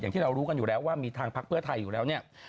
อย่างที่รู้กันอยู่แล้วว่ามีทางภักดิ์เพื่อไทยอยู่แล้วนี่